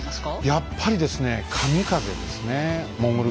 やっぱりですね「神風」ですね。